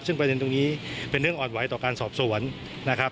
ซึ่งประเด็นตรงนี้เป็นเรื่องอ่อนไหวต่อการสอบสวนนะครับ